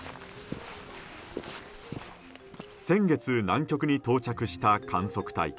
先月、南極に到着した観測隊。